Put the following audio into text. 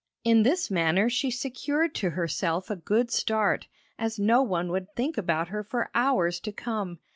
In this manner she secured to herself a good start, as no one would think about her for hours to come.